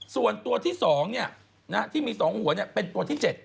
ส่วนตัวที่๒ที่มี๒หัวเป็นตัวที่๗